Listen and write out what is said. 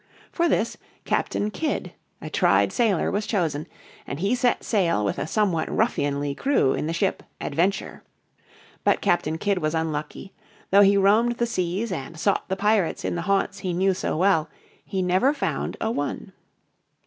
For this, Captain Kidd, a tried sailor, was chosen, and he set sail with a somewhat ruffianly crew in the ship Adventure. But Captain Kidd was unlucky. Though he roamed the seas and sought the pirates in the haunts he knew so well he found never a one.